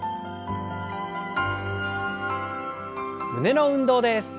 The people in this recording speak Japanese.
胸の運動です。